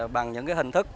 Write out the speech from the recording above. bằng những hình thức